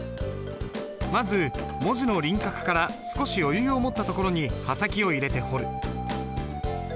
まず文字の輪郭から少し余裕を持ったところに刃先を入れて彫る。